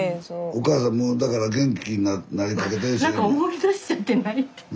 お母さんもうだから元気になりかけてるし。